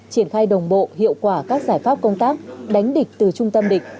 thay đồng bộ hiệu quả các giải pháp công tác đánh địch từ trung tâm địch